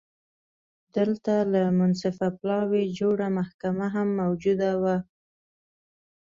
دلته له منصفه پلاوي جوړه محکمه هم موجوده وه